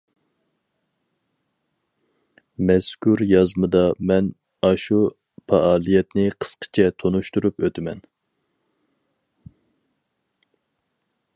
مەزكۇر يازمىدا مەن ئاشۇ پائالىيەتنى قىسقىچە تونۇشتۇرۇپ ئۆتىمەن.